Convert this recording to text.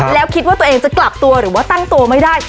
แล้วคิดว่าตัวเองจะกลับตัวหรือว่าตั้งตัวไม่ได้